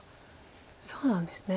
そうなんですね。